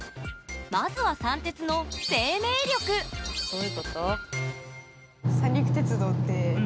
まずは三鉄のどういうこと？